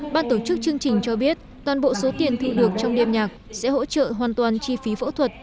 ban tổ chức chương trình cho biết toàn bộ số tiền thu được trong đêm nhạc sẽ hỗ trợ hoàn toàn chi phí phẫu thuật